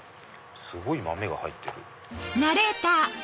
すごい豆が入ってる。